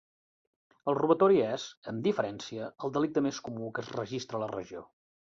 El robatori és, amb diferència, el delicte més comú que es registra a la regió.